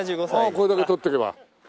これだけ撮っておけば。